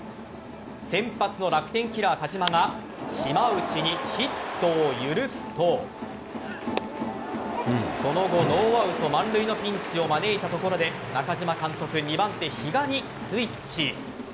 先発の楽天キラー・田嶋が島内にヒットを許すとその後ノーアウト満塁のピンチを招いたところで中嶋監督２番手・比嘉にスイッチ。